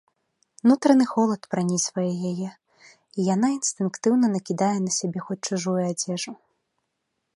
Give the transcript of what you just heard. Нутраны холад пранізвае яе, і яна інстынктыўна накідае на сябе хоць чужую адзежу.